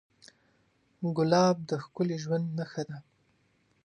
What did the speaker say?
ګلاب د ښکلي ژوند نښه ده.